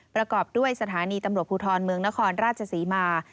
ประกอบด้วยสถานีตำรวจภูทรเมืองนครราชศรีมา